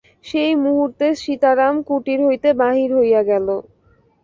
সেই মুহূর্তে সীতারাম কুটির হইতে বাহির হইয়া গেল।